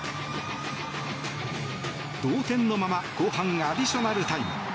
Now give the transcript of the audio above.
同点のまま後半アディショナルタイム。